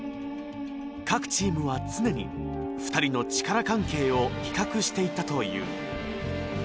各チームは常に２人の力関係を比較していたという。